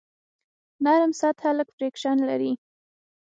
نرم سطحه لږ فریکشن لري.